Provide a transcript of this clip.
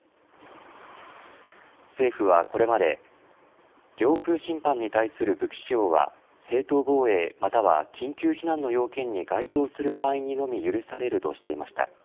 政府はこれまで領空侵犯に対する武器使用は正当防衛または緊急避難の要件に該当する場合にのみ許されるとしていました。